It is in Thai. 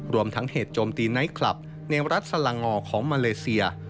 รวมทั้งเหตุโจมตีไนท์คลับในรัฐสลังงอของมาเลเซีย